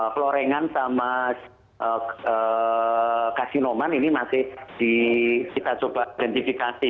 florengan sama kasinoman ini masih kita coba identifikasi